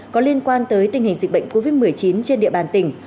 có liên quan tới tình hình dịch bệnh covid một mươi chín trên địa bàn tỉnh